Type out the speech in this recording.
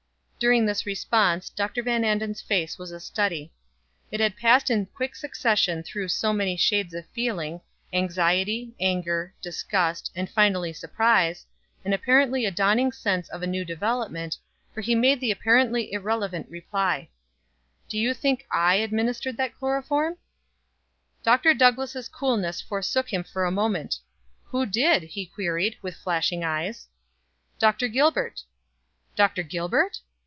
During this response Dr. Van Anden's face was a study. It had passed in quick succession through so many shades of feeling, anxiety, anger, disgust, and finally surprise, and apparently a dawning sense of a new development, for he made the apparently irrelevant reply: "Do you think I administered that chloroform?" Dr. Douglass' coolness forsook him for a moment "Who did?" he queried, with flashing eyes. "Dr. Gilbert." "Dr. Gilbert?"